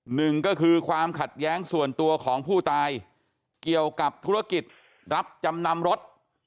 หนึ่งก็คือความขัดแย้งส่วนตัวของผู้ตายเกี่ยวกับธุรกิจรับจำนำรถ